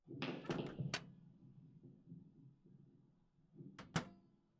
তিনি হাইকোর্টে বিচারপতি নিযুক্ত হন।